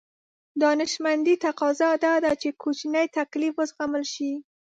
دانشمندي تقاضا دا ده چې کوچنی تکليف وزغمل شي.